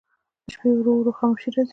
د شپې ورو ورو خاموشي راځي.